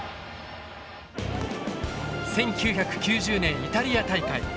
１９９０年イタリア大会。